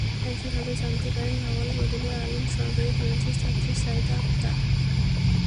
একইভাবে জানতে পারেন ভাওয়াল বদরে আলম সরকারি কলেজের ছাত্রী সাহিদা আক্তার।